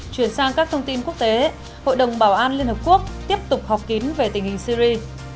chuyển sang các thông tin quốc tế hội đồng bảo an liên hợp quốc tiếp tục họp kín về tình hình syri